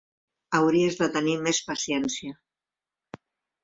Hauries de tenir més paciència.